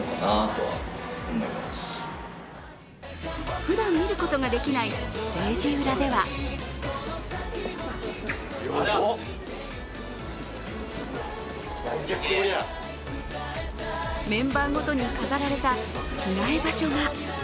ふだん見ることができないステージ裏ではメンバーごとに飾られた着替え場所が。